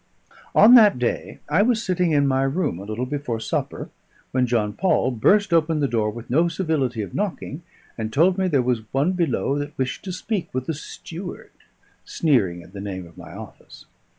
On that day I was sitting in my room a little before supper, when John Paul burst open the door with no civility of knocking, and told me there was one below that wished to speak with the steward; sneering at the name of my office.